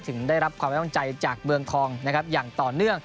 ถึงได้รับความไว้วางใจจากเมืองทองนะครับอย่างต่อเนื่อง